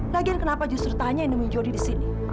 lagian kenapa justru tanya yang nemuin jody di sini